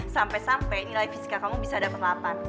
sampai sampai nilai fisika kamu bisa dapat delapan